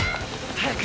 早く！